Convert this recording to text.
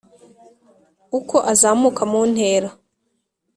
uko azamuka mu ntera